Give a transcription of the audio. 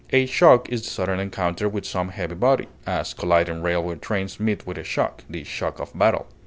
A shock is the sudden encounter with some heavy body; as, colliding railway trains meet with a shock; the shock of battle.